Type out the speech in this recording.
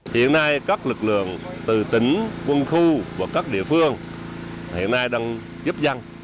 hiện nay các lực lượng từ tỉnh quân khu và các địa phương hiện nay đang giúp dân